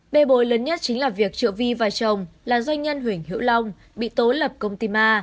bê bối lớn nhất chính là việc trợ vi và chồng là doanh nhân huỳnh hữu long bị tố lập công ty ma